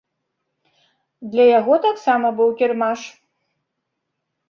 Для яго таксама быў кірмаш.